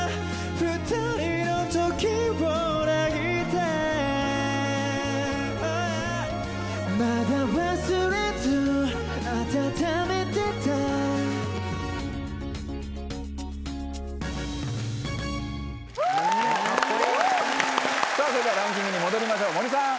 さぁそれではランキングに戻りましょう森さん！